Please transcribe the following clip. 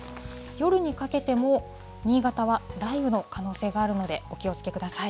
夜にかけても、新潟は雷雨の可能性があるので、お気をつけください。